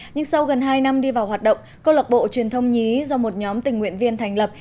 nhưng sau gần hai năm đi vào hoạt động câu lạc bộ truyền thông nhí do một nhóm tình nguyện viên thành lập